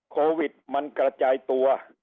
โควิดมันกระจายตัว